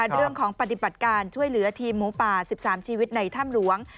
เรื่องของปฏิบัติการช่วยเหลือทีมหมูป่า๑๓ชีวิตในถ้ำหลวง